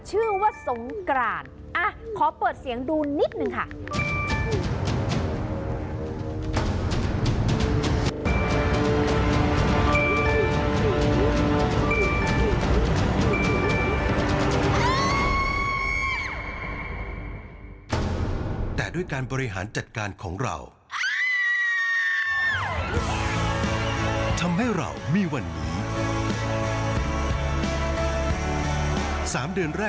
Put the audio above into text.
ชื่อว่าสงกรานขอเปิดเสียงดูนิดนึงค่ะ